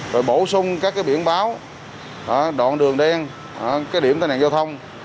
rồi bổ sung các cái biển báo đoạn đường đen cái điểm tai nạn giao thông